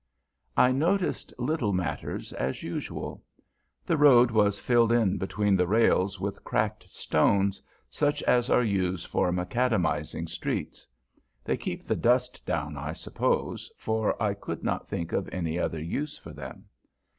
I noticed little matters, as usual. The road was filled in between the rails with cracked stones, such as are used for macadamizing streets. They keep the dust down, I suppose, for I could not think of any other use for them.